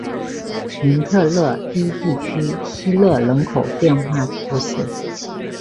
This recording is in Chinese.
蒙特勒伊地区希勒人口变化图示